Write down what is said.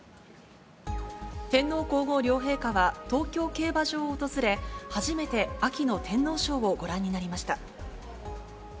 天皇皇后両陛下は東京競馬場を訪れ、初めて秋の天皇賞をご覧になりました。